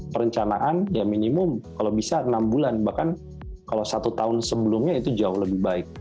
perencanaan ya minimum kalau bisa enam bulan bahkan kalau satu tahun sebelumnya itu jauh lebih baik